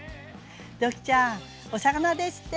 ドッキーちゃんお魚ですって！